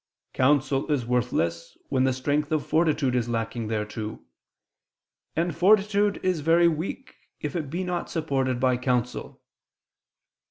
. Counsel is worthless, when the strength of fortitude is lacking thereto ... and fortitude is very weak if it be not supported by counsel